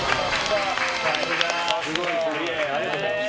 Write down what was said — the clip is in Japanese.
ありがとうございます。